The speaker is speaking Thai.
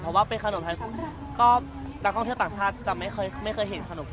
เพราะว่าเป็นขนมไทยก็นักท่องเที่ยวต่างชาติจะไม่เคยไม่เคยเห็นขนมพวกนี้ครับอ่า